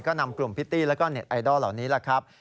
ก็นำกลุ่มพิตตี้แล้วก็เน็ตไอดอลเหล่านี้แหละครับ